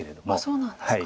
そうなんですか。